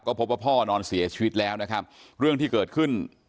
พบว่าพ่อนอนเสียชีวิตแล้วนะครับเรื่องที่เกิดขึ้น